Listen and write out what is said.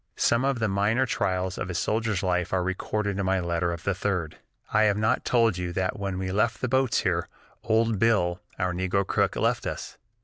Some of the minor trials of a soldier's life are recorded in my letter of the 3d: "I have not told you that when we left the boats here, old Bill, our negro cook, left us.